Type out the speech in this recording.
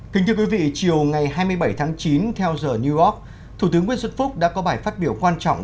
kính thưa quý vị chiều ngày hai mươi bảy tháng chín theo giờ new york thủ tướng nguyễn xuân phúc đã có bài phát biểu quan trọng